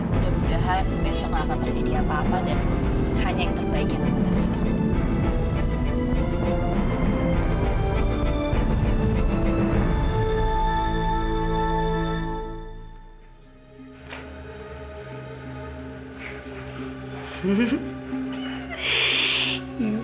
mudah mudahan besok akan terjadi apa apa dan hanya yang terbaik yang akan terjadi